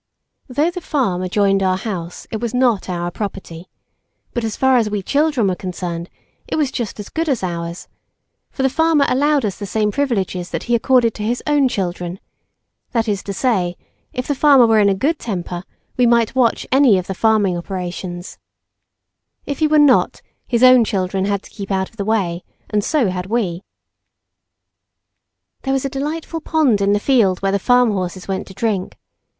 Though the farm adjoined our house, it was not our property, but as far as we children were concerned, it was just as good as ours, for the farmer allowed us the same privileges that he accorded to his own children; that is to say, if the farmer were in a good temper, we might watch any of the farming operations, if he was not, his own children had to keep out of the way, and so had we. There was a delightful pond in the field where the farm horses went to drink.